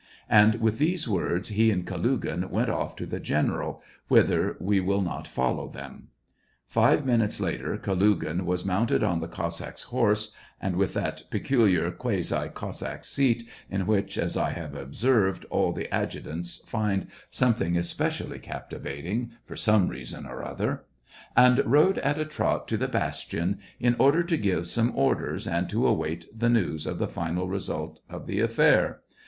..." And with these words he and Kalugin went off to the general, whither we will not follow them. Five minutes later, Kalugin was mounted on the Cossack's horse (and with that peculiar, quasi Cossack seat, in which, as I have observed, all adjutants find something especially captivating, for some reason or other), and rode at a trot to the bastion, in order to give some orders, and to await the news of the final result of the affair.